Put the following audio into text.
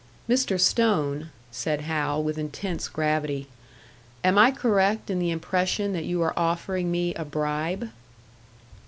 "Mr. Stone," said Hal, with intense gravity, "am I correct in the impression that you are offering me a bribe?"